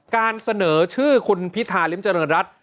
การเสนอชื่อคุณพิธาริมเจริญรัฐ